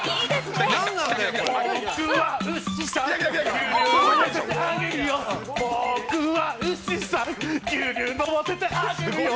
僕は牛さん、僕は牛さん、牛乳飲ませてあげるよ